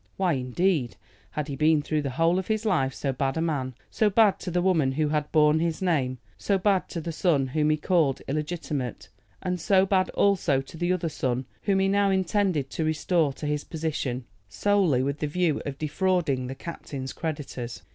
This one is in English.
Why, indeed, had he been through the whole of his life so bad a man, so bad to the woman who had borne his name, so bad to the son whom he called illegitimate, and so bad also to the other son whom he now intended to restore to his position, solely with the view of defrauding the captain's creditors?